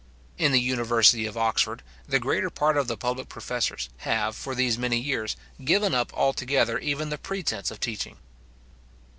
In the university of Oxford, the greater part of the public professors have, for these many years, given up altogether even the pretence of teaching.